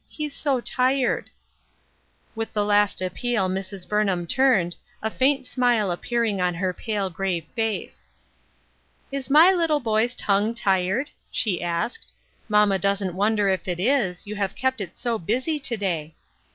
he's so tired !" With the last appeal Mrs. Burnham turned, a faint smile appearing on her pale, grave face. "Is my little boy's tongue tired?" she asked; " mamma doesn't wonder if it is, you have kept it so busy to day."